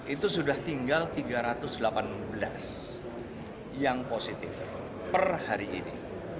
seribu tiga ratus delapan itu sudah tinggal tiga ratus delapan belas yang positif per hari ini